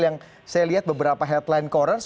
yang saya lihat beberapa headline koran